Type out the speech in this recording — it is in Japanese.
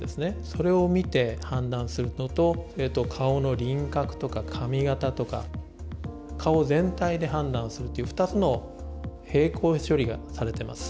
それを見て判断するのと顔の輪郭とか髪形とか顔を全体で判断するっていう２つの並行処理がされてます。